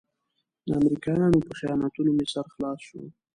د امريکايانو په خیانتونو مې سر خلاص شو.